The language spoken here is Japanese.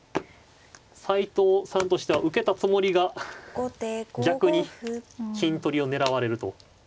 斎藤さんとしては受けたつもりが逆に金取りを狙われると。